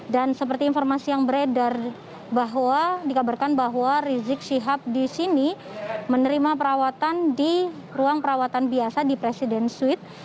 dan seperti informasi yang beredar bahwa rizik shihab di sini menerima perawatan di ruang perawatan biasa di presiden suite